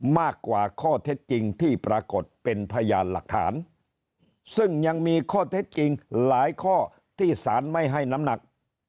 มากกว่าข้อเท็จจริงที่ปรากฏเป็นพยานหลักฐานซึ่งยังมีข้อเท็จจริงหลายข้อที่สารไม่ให้น้ำหนัก